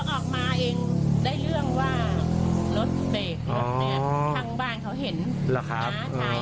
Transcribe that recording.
เขาออกมาเองได้เรื่องว่ารถเบรกรถเบรกทางบ้านเขาเห็นหรอครับอ๋อ